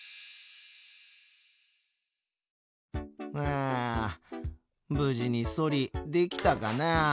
ああ無事にソリできたかな。